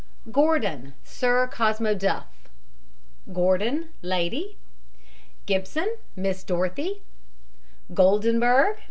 GORDON, SIR COSMO DUFF. GORDON, LADY. GIBSON, MISS DOROTHY. GOLDENBERG, MR.